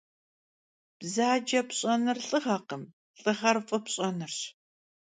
Bzace pş'enır lh'ığekhım, lh'ığer f'ı pş'enırş.